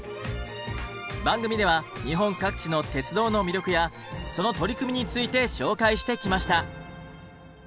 番組では日本各地の鉄道の魅力やその取り組みについて紹介してきました。